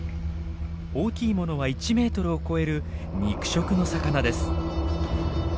大きいものは１メートルを超える肉食の魚です。